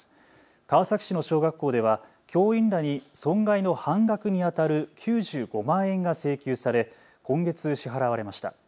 川崎市の小学校では教員らに損害の半額にあたる９５万円が請求され今月支払われました。